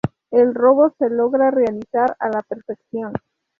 El robo se logra realizar a la perfección.